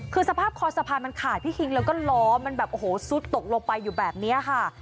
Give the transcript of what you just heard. คือสภาพคอสะพานมันขาดพี่คิงแล้วก็ล้อมันแบบโอ้โหซุดตกลงไปอยู่แบบนี้ค่ะ